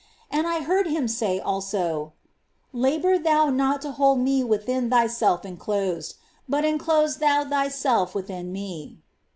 And I heard Him say also ; "Labour thou not to hold Me within thyself enclosed, but enclose thou thyself within Me."